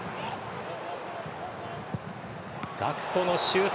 ガクポのシュート！